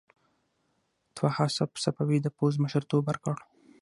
طاهاسپ صفوي د پوځ مشرتوب ورکړ.